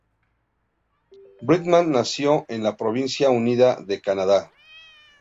Bridgman nació en la Provincia Unida de Canadá.